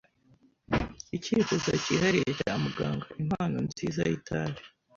icyifuzo cyihariye cya muganga, impano nziza y itabi.